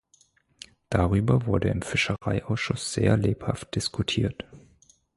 Darüber wurde im Fischereiausschuss sehr lebhaft diskutiert.